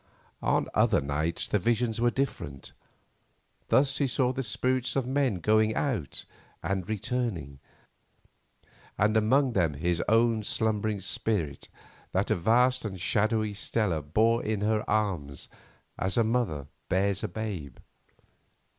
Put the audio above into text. On other nights the visions were different. Thus he saw the spirits of men going out and returning, and among them his own slumbering spirit that a vast and shadowy Stella bore in her arms as a mother bears a babe.